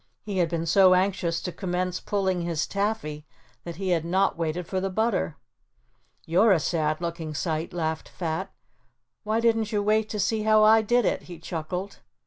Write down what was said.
He had been so anxious to commence pulling his taffy that he had not waited for the butter. "You're a sad looking sight," laughed Fat. "Why didn't you wait to see how I did it," he chuckled.